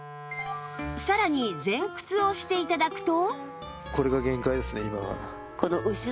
さらに前屈をして頂くと